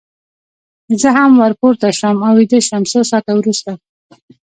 زه هم ور پورته شوم او ویده شوم، څو ساعته وروسته.